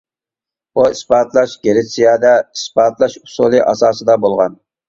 بۇ ئىسپاتلاش گىرېتسىيەدە ئىسپاتلاش ئۇسۇلى ئاساسىدا بولغان.